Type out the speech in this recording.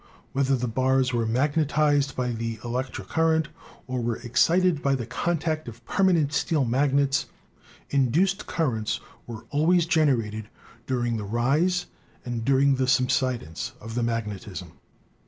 Whether the bars were magnetized by the electric current, or were excited by the contact of permanent steel magnets, induced currents were always generated during the rise and during the sub sidence of the magnetism.